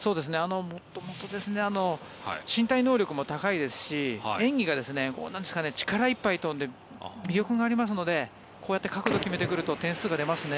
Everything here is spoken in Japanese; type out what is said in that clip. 元々、身体能力も高いですし、演技も力いっぱい飛んで魅力があるのでこうやって角度を決めてくると点数が出ますね。